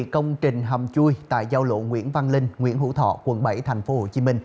công trình hầm chui tại giao lộ nguyễn văn linh nguyễn hữu thọ quận bảy tp hcm